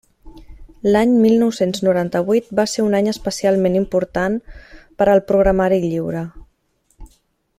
L'any mil nou-cents noranta-vuit va ser un any especialment important per al programari lliure.